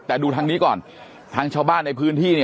แต่ดูทางนี้ก่อนทางชาวบ้านในพื้นที่